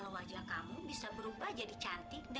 oh jadi semuanya berkat korek api ibu